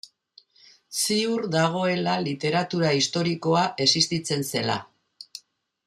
Ziur dagoela literatura historikoa existitzen zela.